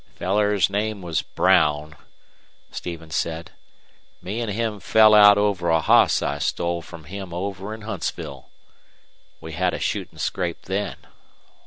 "Feller's name was Brown," Stevens said. "Me an' him fell out over a hoss I stole from him over in Huntsville. We had a shootin' scrape then.